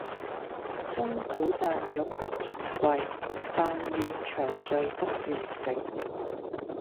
鐘鼓饌玉不足貴，但願長醉不願醒